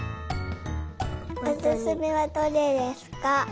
おすすめはどれですか？